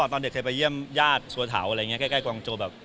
พอเด็กเเคยไปเยี่ยมย่าดสวหาเถาแก่งใกล้กรรน์โจ